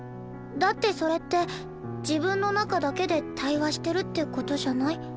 だってそれって自分の中だけで対話してるって事じゃない？